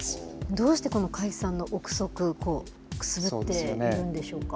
どうして、この解散の臆測くすぶっているんでしょうか。